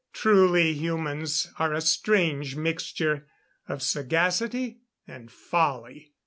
Truly, humans are a strange mixture of sagacity and folly!